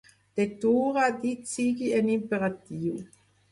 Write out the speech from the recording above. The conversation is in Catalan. Detura, dit sigui en imperatiu.